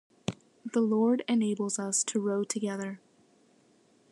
The Lord enables us to row together.